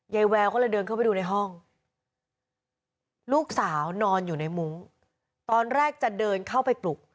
แววก็เลยเดินเข้าไปดูในห้องลูกสาวนอนอยู่ในมุ้งตอนแรกจะเดินเข้าไปปลุก